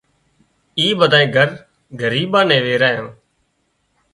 اِي ٻڌانئي گھر ڳريبان نين ويرايان